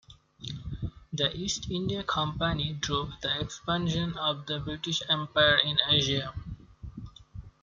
The East India Company drove the expansion of the British Empire in Asia.